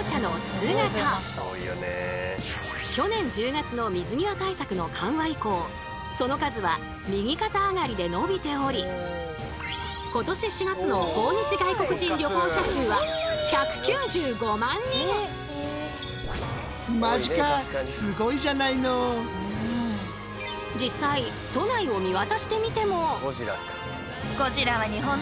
最近去年１０月の水際対策の緩和以降その数は右肩上がりで伸びており今年４月の訪日外国人旅行者数は実際都内を見渡してみても。